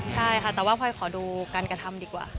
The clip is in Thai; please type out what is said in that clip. ใช่ค่ะแต่ว่าพลอยขอดูการกระทำดีกว่า